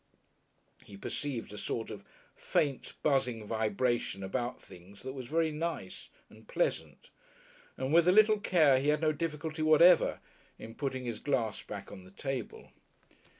He perceived a sort of faint, buzzing vibration about things that was very nice and pleasant and with a little care he had no difficulty whatever in putting his glass back on the table.